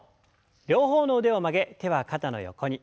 両方の腕を曲げ手は肩の横に。